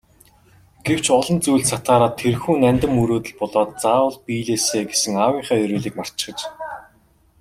Гэвч олон зүйлд сатаараад тэрхүү нандин мөрөөдөл болоод заавал биелээсэй гэсэн аавынхаа ерөөлийг мартчихаж.